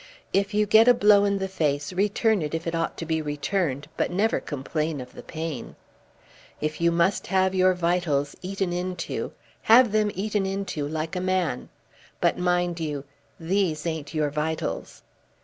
If you get a blow in the face, return it if it ought to be returned, but never complain of the pain. If you must have your vitals eaten into, have them eaten into like a man. But, mind you, these ain't your vitals."